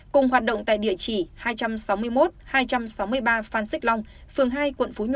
cùng hoạt động tại địa chỉ hai trăm sáu mươi một hai trăm sáu mươi ba phan xích long phường hai quận phú nhuận